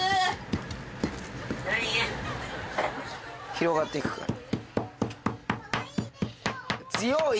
広がっていくから。